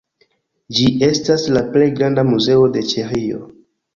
Ĝi estas la plej granda muzeo de Ĉeĥio.